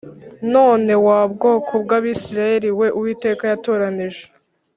None wa bwoko bw Abisirayeli we Uwiteka yatoranije